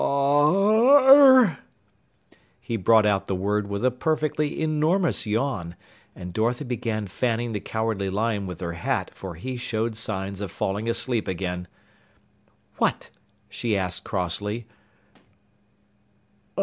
"Are " He brought out the word with a perfectly enormous yawn, and Dorothy began fanning the Cowardly Lion with her hat, for he showed signs of falling asleep again. "What?" she asked crossly.